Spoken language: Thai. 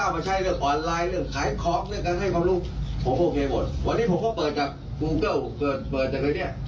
ปัจจุจะไม่ค่อยเปิด